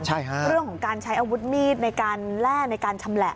ใช่ค่ะเรื่องของการใช้อาวุธมีดในการแล่ในการชำแหละ